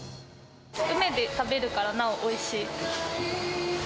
海で食べるから、なおおいしい。